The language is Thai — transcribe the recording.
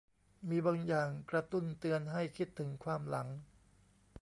มีบางอย่างกระตุ้นเตือนให้คิดถึงความหลัง